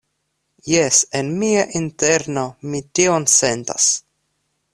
Jes, en mia interno mi tion sentas.